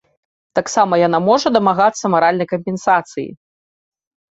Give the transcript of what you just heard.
Таксама яна можа дамагацца маральнай кампенсацыі.